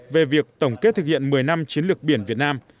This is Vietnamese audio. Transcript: về việc tổng kết thực hiện một mươi năm chiến lược biển việt nam